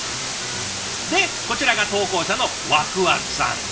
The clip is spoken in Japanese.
でこちらが投稿者のわくわくさん。